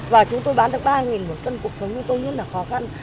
và chúng tôi bán được ba một cân cuộc sống như tôi rất là khó khăn